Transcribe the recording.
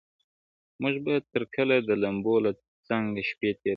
موږ به تر کله د لمبو له څنګه شپې تېروو-